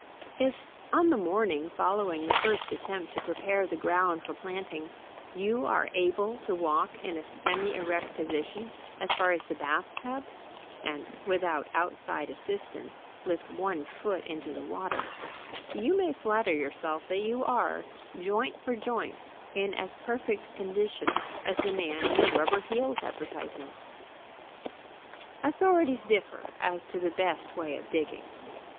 If, on the morning following the first attempt to prepare the ground for planting, you are able to walk in a semi erect position as far as the bathtub (and, without outside assistance, lift one foot into the water), you may flatter yourself that you are, joint for joint, in as perfect condition as the man in the rubber heels advertisements. [Illustration: "If you are able to walk as far as the bathtub..."] Authorities differ as to the best way of digging.